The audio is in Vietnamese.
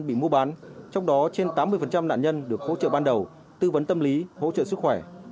bị mua bán trong đó trên tám mươi nạn nhân được hỗ trợ ban đầu tư vấn tâm lý hỗ trợ sức khỏe